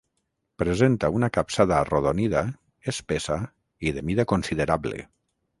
Presenta una capçada arrodonida, espessa i de mida considerable.